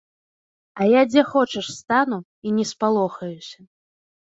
А я дзе хочаш стану і не спалохаюся.